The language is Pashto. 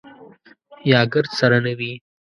یا ګرد سره نه وي.